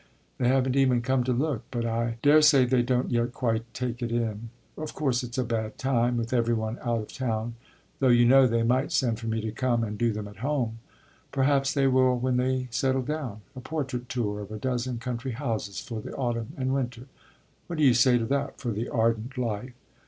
They haven't even come to look, but I daresay they don't yet quite take it in. Of course it's a bad time with every one out of town; though you know they might send for me to come and do them at home. Perhaps they will when they settle down. A portrait tour of a dozen country houses for the autumn and winter what do you say to that for the ardent life?